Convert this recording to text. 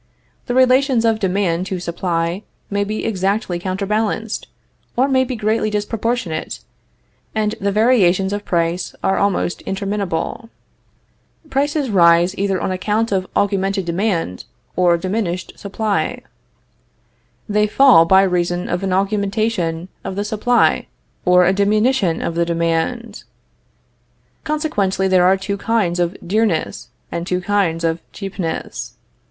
The relations of demand to supply may be exactly counterbalanced, or may be greatly disproportionate, and the variations of price are almost interminable. Prices rise either on account of augmented demand or diminished supply. They fall by reason of an augmentation of the supply or a diminution of the demand. Consequently there are two kinds of dearness and two kinds of cheapness.